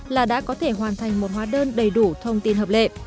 là đã có thể hoàn thành một hóa đơn đầy đủ thông tin hợp lệ